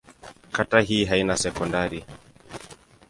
Kata hii haina sekondari.